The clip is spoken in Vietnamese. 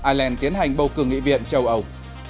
ireland tiến hành bầu cử nghị viện châu âu